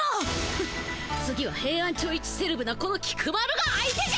フッ次はヘイアンチョウいちセレブなこの菊丸が相手じゃ！